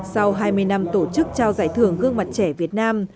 sau hai mươi năm tổ chức trao giải thưởng gương mặt trẻ việt nam